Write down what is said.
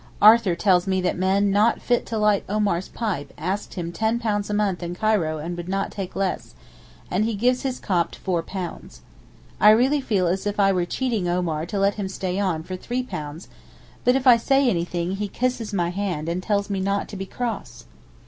Arthur tells me that men, not fit to light Omar's pipe, asked him £10 a month in Cairo and would not take less, and he gives his Copt £4. I really feel as if I were cheating Omar to let him stay on for £3; but if I say anything he kisses my hand and tells me 'not to be cross.